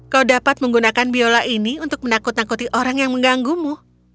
kau dapat menggunakan biola ini untuk menakut nakuti orang yang mengganggumu